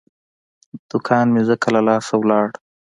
دوکان مې ځکه له لاسه لاړ.